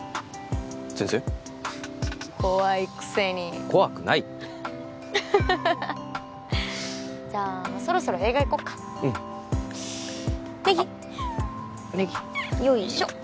全然怖いくせに怖くないってじゃあそろそろ映画行こっかうんネギあっネギよいしょ